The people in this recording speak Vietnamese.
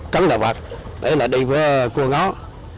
cắn đào bạc đấy là đi với cua ngó